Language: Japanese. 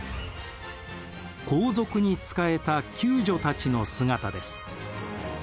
皇族に仕えた宮女たちの姿です。